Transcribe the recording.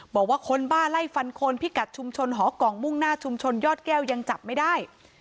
บอกว่าคนบ้าไล่ฟันคนพิกัดชุมชนหอกล่องมุ่งหน้าชุมชนยอดแก้วยังจับไม่ได้